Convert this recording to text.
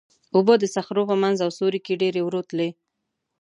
اوبه د صخرو په منځ او سیوري کې ډېرې ورو تللې.